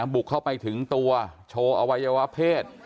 บุกเข้าไปถึงตัวโชว์อวัยวะเพศ